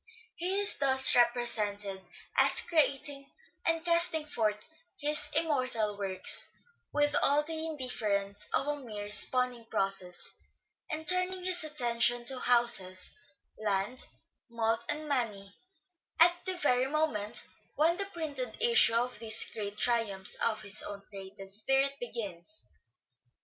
He is thus represented as creating and casting forth his im mortal works with all the indifference of a mere spawning process, and turning his attention to houses, land, malt and money at the very moment when the printed issue of these great triumphs of his own creative spirit begins.